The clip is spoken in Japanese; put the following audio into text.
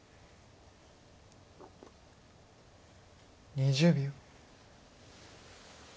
２０秒。